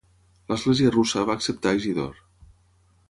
L'església russa va acceptar a Isidor.